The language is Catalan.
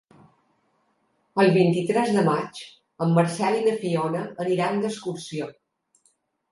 El vint-i-tres de maig en Marcel i na Fiona aniran d'excursió.